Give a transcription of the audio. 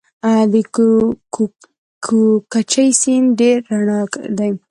د کوکچې سیند ډیر رڼا دی